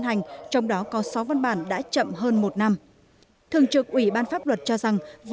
hành trong đó có sáu văn bản đã chậm hơn một năm thường trực ủy ban pháp luật cho rằng